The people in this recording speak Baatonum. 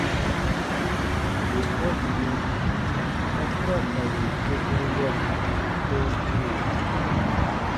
Yè a ǹ mɔ, a ku ra ka yè sekuru yari sɔ̃ɔ teeru.